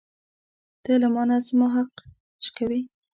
ته له مانه زما حق شوکوې.